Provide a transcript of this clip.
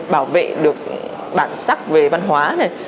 bảo vệ được bản sắc về văn hóa này